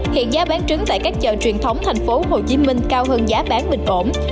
hiện giá bán trứng tại các chợ truyền thống thành phố hồ chí minh cao hơn giá bán bình ổn